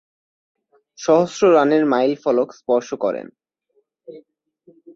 সহস্র রানের মাইলফলক স্পর্শ করেন।